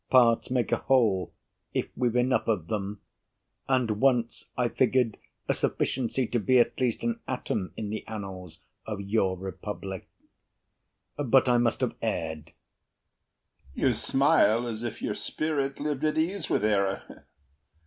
Parts make a whole, if we've enough of them; And once I figured a sufficiency To be at least an atom in the annals Of your republic. But I must have erred. HAMILTON You smile as if your spirit lived at ease With error.